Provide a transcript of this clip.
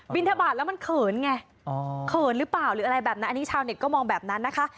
ทบาทแล้วมันเขินไงเขินหรือเปล่าหรืออะไรแบบนั้นอันนี้ชาวเน็ตก็มองแบบนั้นนะคะ